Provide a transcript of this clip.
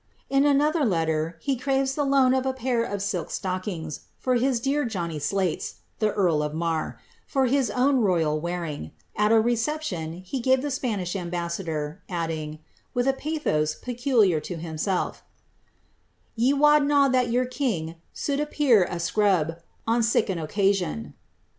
In anolhr letlcr, he craved the loan of h pair of silk ijlockings, from his dear Jonnie Sialics, (the earl of Mnrr,' for his own royal wearing, at a reception lie gave the Spanish ambassador, adding, with a pathos peculiar lo himself, "Ye wad na that yonr king suKl appear a scrub, on sic an occasion."